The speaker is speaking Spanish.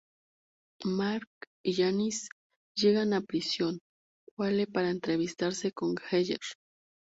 Mark y Janis llegan a la Prisión Quale para entrevistarse con Geyer.